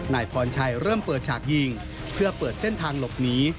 นายพรชัยเริ่มเปิดฉากยิงเพื่อเปิดเส้นทางหลบหนี